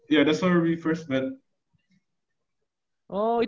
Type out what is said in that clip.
iya iya itu dulu kita pertama kali